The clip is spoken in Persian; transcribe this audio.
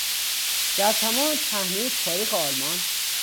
در تمام پهنهی تاریخ آلمان